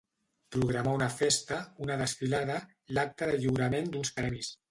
Programar una festa, una desfilada, l'acte de lliurament d'uns premis.